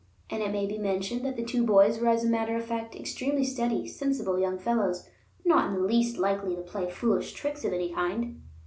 And, it may be mentioned, that the two boys were as a matter of fact extremely steady, sensible young fellows, not in the least likely to play foolish tricks of any kind.